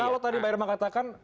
kalau tadi bayarma katakan